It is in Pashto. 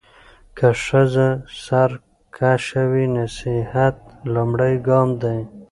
که ښځه سرکشه وي، نصيحت لومړی ګام دی.